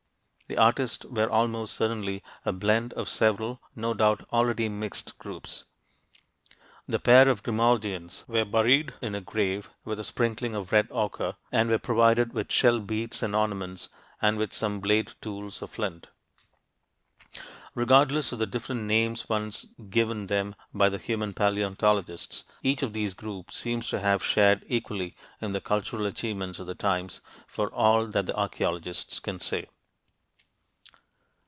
The artists were almost certainly a blend of several (no doubt already mixed) groups. The pair of Grimaldians were buried in a grave with a sprinkling of red ochre, and were provided with shell beads and ornaments and with some blade tools of flint. Regardless of the different names once given them by the human paleontologists, each of these groups seems to have shared equally in the cultural achievements of the times, for all that the archeologists can say.